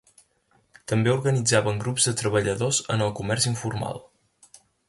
També organitzaven grups de treballadors en el comerç informal.